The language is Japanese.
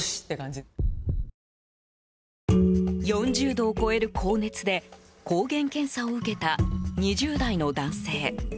４０度を超える高熱で抗原検査を受けた２０代の男性。